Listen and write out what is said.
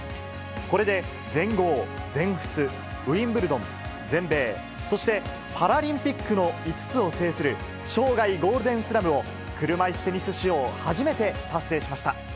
これで全豪、全仏、ウィンブルドン、全米、そしてパラリンピックの５つを制する、生涯ゴールデンスラムを車いすテニス史上、初めて達成しました。